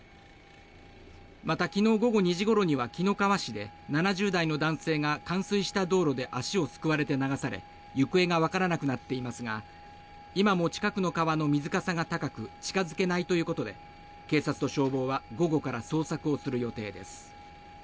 また、昨日午後２時ごろには紀の川市で、７０代の男性が冠水した道路で足をすくわれて流され行方がわからなくなっていますが今も近くの川の水かさが高く近付けないということで警察と消防は午後から捜索をする予定です。